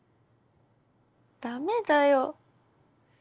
ダメだよ。